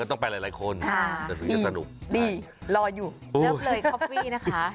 เลิกเลยคอฟฟี่นะคะ